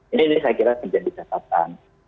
ini saya kira menjadi catatan